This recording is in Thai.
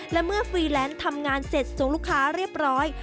และเมื่อฟรีแลนซ์ทำงานเสร็จส่งลูกค้าเรียบร้อย